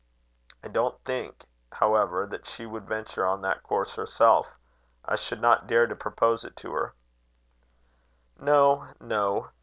"I don't think, however, that she would venture on that course herself. I should not dare to propose it to her." "No, no.